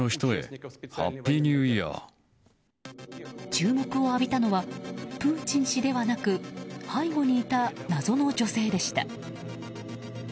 注目を浴びたのはプーチン氏ではなく背後にいた謎の女性でした。